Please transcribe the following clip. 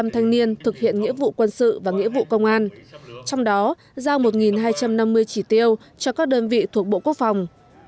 một mươi thanh niên thực hiện nghĩa vụ quân sự và nghĩa vụ công an trong đó giao một hai trăm năm mươi chỉ tiêu cho các đơn vị thuộc bộ quốc phòng